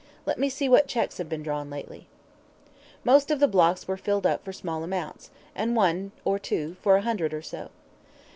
"Let me see what cheques have been drawn lately." Most of the blocks were filled up for small amounts, and one or two for a hundred or so.